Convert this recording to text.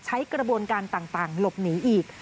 ใช้กระบวนการต่างหลบหนีอีก